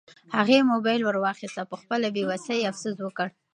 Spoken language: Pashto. هغې موبایل ورواخیست او په خپله بې وسۍ یې افسوس وکړ.